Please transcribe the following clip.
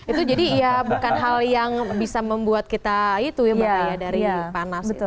itu jadi ya bukan hal yang bisa membuat kita itu ya mbak ya dari panas